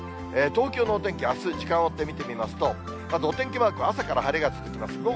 東京のお天気、あす、時間を追って見てみますと、まずお天気マーク、朝から晴れが続きます。